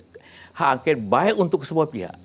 hak angket baik untuk semua pihak